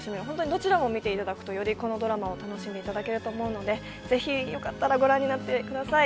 どちらも見ていただくとよりこのドラマを楽しんでいただけると思うのでぜひよかったらご覧になってください。